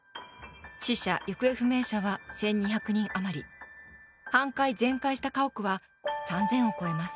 死者行方不明者は１，２００人余り半壊全壊した家屋は３，０００を超えます。